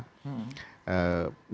dan akan membuat